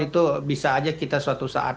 itu bisa aja kita suatu saat